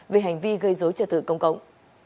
về hành vi gây dối trợ tử công cống